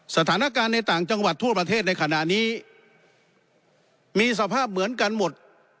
สถานการณ์ในต่างจังหวัดทั่วประเทศในขณะนี้มีสภาพเหมือนกันหมด